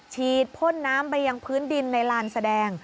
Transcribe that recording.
ฉีดพ่นน้ำไปยังพื้นดินในลานแสดง